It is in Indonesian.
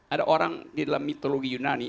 ada orang di dalam mitologi yunani